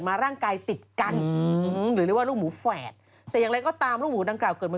มีเล่นมาแล้ว